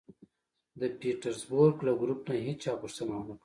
د پېټرزبورګ له ګروپ نه هېچا پوښتنه و نه کړه